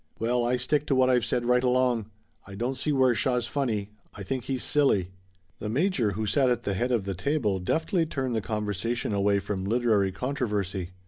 "Well, I stick to what I've said right along. I don't see where Shaw's funny. I think he's silly." The major who sat at the head of the table deftly turned the conversation away from literary controversy.